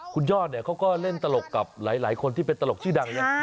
คุณยอดเนี่ยเขาก็เล่นตลกกับหลายคนที่เป็นตลกชื่อดังเลย